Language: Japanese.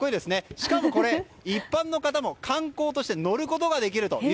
しかもこれ、一般の方も観光として乗ることができます。